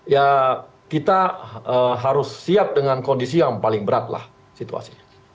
ya kita harus siap dengan kondisi yang paling berat lah situasinya